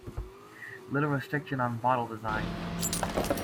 Little restriction on bottle design.